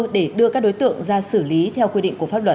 để đưa các đối tượng ra xử lý theo quy định của pháp luật